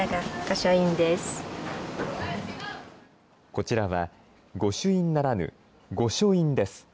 こちらは、御朱印ならぬ、御書印です。